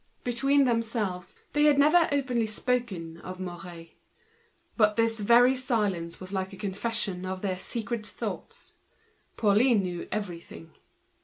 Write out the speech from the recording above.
Between themselves, they had never openly spoken of Mouret. But this very silence was like a confession of their secret pre occupations. Pauline knew everything.